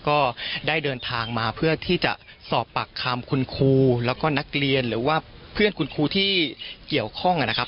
ก็ได้เดินทางมาเพื่อที่จะสอบปากคำคุณครูแล้วก็นักเรียนหรือว่าเพื่อนคุณครูที่เกี่ยวข้องนะครับ